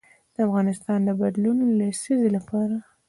د افغانستان د بدلون لسیزې لپاره.